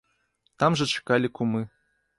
Там жа чакалі кумы.